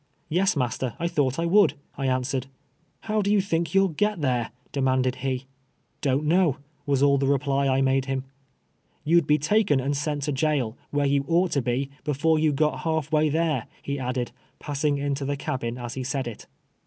" Yes, master, I thought I would," I answered. " How do you think you'll get there ?" demanded he. '• Don't know," was all the, reply I made him. " You'd be taken and sent to jail, where you ought to be, before you got half way tliere,'' he added, pass ing into the cabin as he said it.